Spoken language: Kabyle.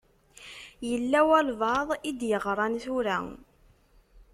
Yella walebɛaḍ i d-yeɣṛan tura.